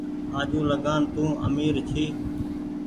آجوٚنٚ لگآن تو آمير ڇي